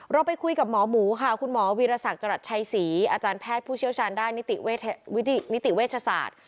เราไปคุยกับหมอหมูค่ะคุณหมอวีรศักดิ์จรัสชัยศรีอาจารย์แพทย์ผู้เชี่ยวชาญด้านนิติเวชศาสตร์